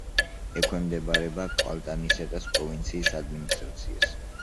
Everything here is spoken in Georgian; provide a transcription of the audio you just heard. ექვემდებარება კალტანისეტას პროვინციის ადმინისტრაციას.